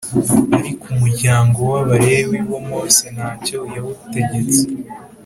Ariko umuryango w Abalewi wo Mose ntacyo yawutegetse